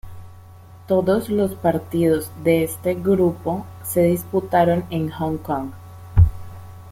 Todos los partidos de este grupo se disputaron en Hong Kong.